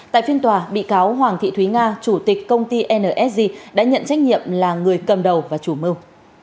tại phiên tòa bị cáo hoàng thị thúy nga chủ tịch công ty nsg đã nhận trách nhiệm là người cầm đầu và chủ mưu